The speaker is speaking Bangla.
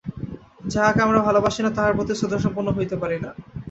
যাহাকে আমরা ভালবাসি না, তাহার প্রতি শ্রদ্ধাসম্পন্ন হইতে পারি না।